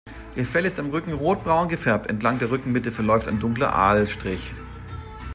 Ihr Fell ist am Rücken rotbraun gefärbt, entlang der Rückenmitte verläuft ein dunkler Aalstrich.